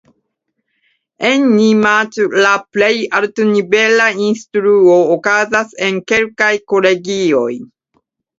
En Nimaĉ la plej altnivela instruo okazas en kelkaj kolegioj.